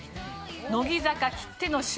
乃木坂きっての秀才。